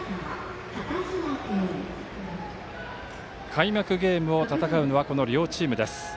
開幕ゲームを戦うのはこの両チームです。